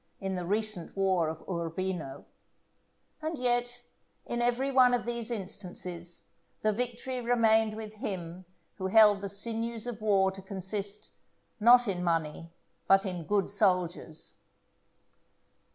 in the recent war of Urbino; and yet, in every one of these instances, the victory remained with him who held the sinews of war to consist, not in money, but in good soldiers.